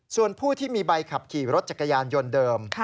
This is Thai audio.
ส่วนผู้ที่มีใบขับขี่รถจักรยานยนต์เดิม